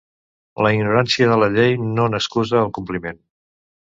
La ignorància de la llei no n'excusa el compliment.